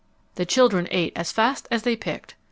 The children ate as fast as they picked.